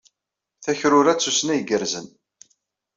Takrura d tussna igerrzen.